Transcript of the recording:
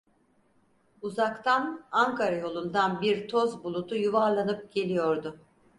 Uzaktan, Ankara yolundan bir toz bulutu yuvarlanıp geliyordu.